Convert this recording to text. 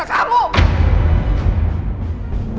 aku akan mencari riri